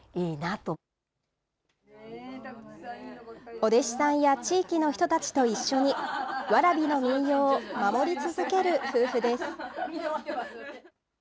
お弟子さんや地域の人たちと一緒に、蕨の民謡を守り続ける夫婦です。